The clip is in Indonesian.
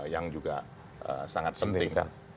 yang juga sangat penting